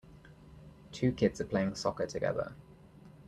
Two kids are playing soccer together.